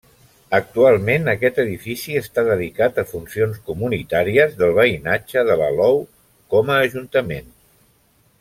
Actualment aquest edifici està dedicat a funcions comunitàries del veïnatge de l'Alou com a ajuntament.